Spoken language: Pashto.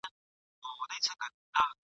په سړو تورو شپو کي ..